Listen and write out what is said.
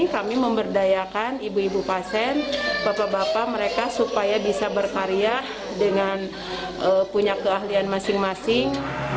kami memberdayakan ibu ibu pasien bapak bapak mereka supaya bisa berkarya dengan punya keahlian masing masing